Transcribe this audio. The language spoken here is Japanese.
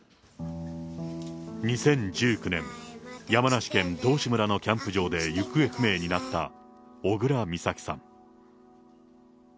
２０１９年、山梨県道志村のキャンプ場で行方不明になった、小倉美咲さん。